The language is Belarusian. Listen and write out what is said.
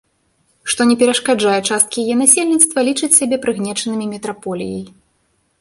Што не перашкаджае часткі яе насельніцтва лічыць сябе прыгнечанымі метраполіяй.